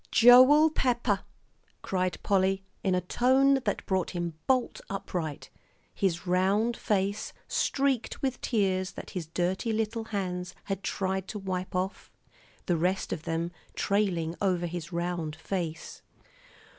"Joel Pepper!" cried Polly, in a tone that brought him bolt upright, his round face streaked with tears that his dirty little hands had tried to wipe off, the rest of them trailing over his round nose.